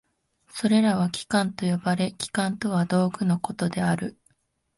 それらは器官と呼ばれ、器官とは道具のことである。